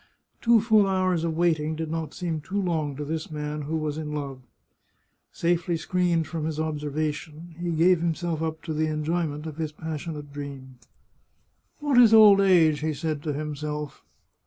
Two full hours of wait ing did not seem too long to this man who was in love. Safely screened from observation, he gave himself up to the enjoyment of his passionate dream. " What is old age !" he said to himself.